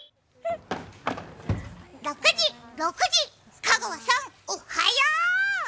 ６時、６時、香川さん、おはよう！